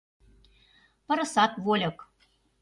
Пырысат — вольык.